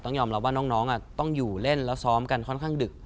ยอมรับว่าน้องต้องอยู่เล่นแล้วซ้อมกันค่อนข้างดึก